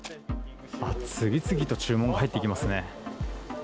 次々と注文が入っていきます